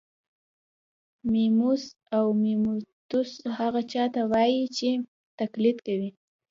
میموس او میموتوس هغه چا ته وايي چې تقلید کوي